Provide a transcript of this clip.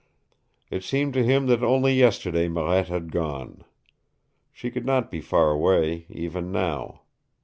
It seemed to him that only yesterday Marette had gone. She could not be far away, even now.